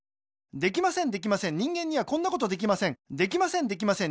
できませんできません人間にはこんなことぜったいにできません